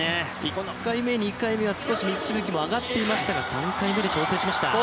１回目、２回目は少し水しぶきも上がっていましたが、３回目で調整しました。